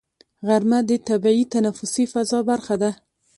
غرمه د طبیعي تنفسي فضا برخه ده